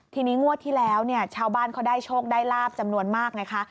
ทีนี้งวดที่แล้วเนี่ยชาวบ้านเขาได้โชคได้ลาบจำนวนมากไงคะ